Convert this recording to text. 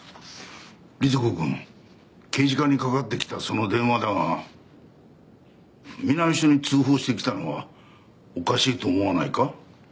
りつ子くん刑事課にかかってきたその電話だが南署に通報してきたのはおかしいと思わないか？